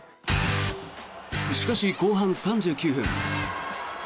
しかし、後半３９分。